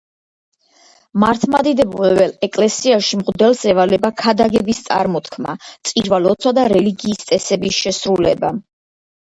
მართლმადიდებელ ეკლესიაში მღვდელს ევალება ქადაგების წარმოთქმა, წირვა-ლოცვა და რელიგიის წესების შესრულება.